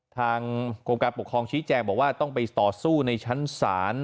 ทางกรมการปกครองชี้แจงบอกว่าต้องไปต่อสู้ในชั้นศาล